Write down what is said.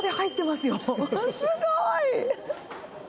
すごーい。